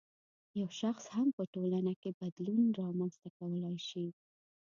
یو شخص هم په ټولنه کې بدلون رامنځته کولای شي.